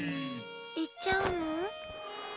いっちゃうの？